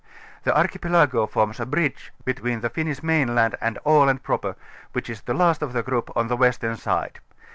The archipelago forms a bridge between the Finnish mainland and Aland Proper, which is the last of the group on the western side.